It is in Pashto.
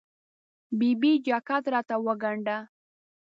ببۍ! جاکټ راته وګنډه.